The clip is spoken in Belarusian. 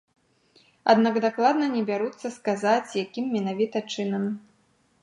Аднак дакладна не бяруцца сказаць, якім менавіта чынам.